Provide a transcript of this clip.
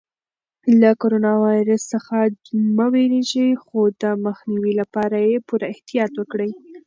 له کرونا ویروس څخه مه وېرېږئ خو د مخنیوي لپاره یې پوره احتیاط وکړئ.